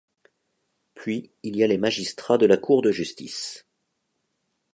Puis, il y a les magistrats de la Cour de Justice.